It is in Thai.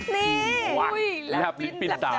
นี่